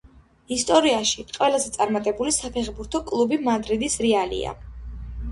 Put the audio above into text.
ისტორიაში ყველაზე წარმატებული საფეხბურთო კლუბი მადრიდის რეალია,